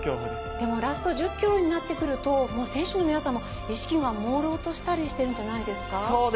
でもラスト１０ｋｍになってくると選手の皆さんも意識がもうろうとしたりしているんじゃないんですか。